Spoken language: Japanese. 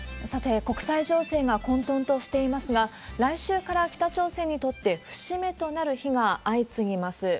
さて、国際情勢が混とんとしていますが、来週から北朝鮮にとって節目となる日が相次ぎます。